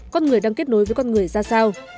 con người đang kết nối với con người ra sao